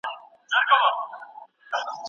ورته ووایه: «له هرڅه نه خپه ده»